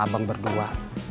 sama abang berdua